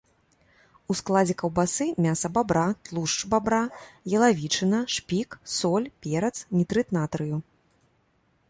У складзе каўбасы мяса бабра, тлушч бабра, ялавічына, шпік, соль, перац, нітрыт натрыю.